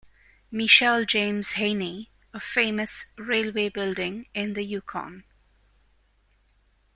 Michel James Heney a famous railway building in the Yukon.